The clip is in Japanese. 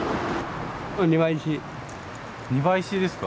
庭石ですか。